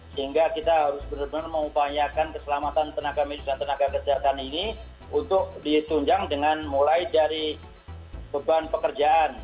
sehingga kita harus benar benar mengupayakan keselamatan tenaga medis dan tenaga kesehatan ini untuk ditunjang dengan mulai dari beban pekerjaan